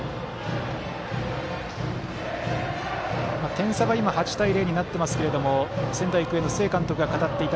点差が８対０になってますが仙台育英の須江監督が語っていた